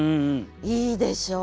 いいでしょう？